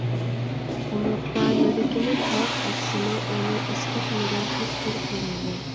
قۇملۇقتا يۈرىكىنى كاۋاپ ئەتسىمۇ ئۇنى ئەسكەرتمىگەن ھېچبىر كۆلەڭگە.